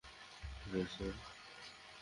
হ্যা, স্যার?